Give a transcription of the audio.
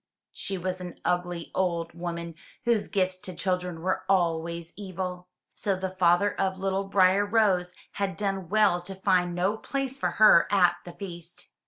She was an ugly old woman whose gifts to children were always evil, so the father of little Briar rose had done well to find no place for her at the feast.